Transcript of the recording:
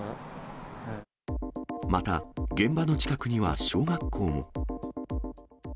また現場の近くには小学校も。